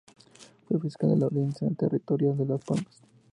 Fue fiscal de la Audiencia Territorial de Las Palmas.